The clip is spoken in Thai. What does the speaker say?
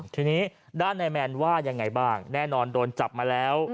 ทีนี้ด้านนายแมนว่ายังไงบ้างแน่นอนโดนจับมาแล้ว